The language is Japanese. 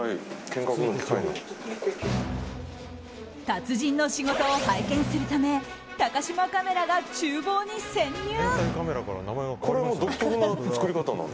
達人の仕事を拝見するため高嶋カメラが厨房に潜入。